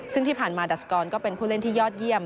ซึ่งที่ผ่านมาดัชกรก็เป็นผู้เล่นที่ยอดเยี่ยม